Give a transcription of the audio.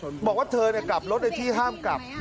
บอกว่าเธอกลับรถในที่ห้ามกลับ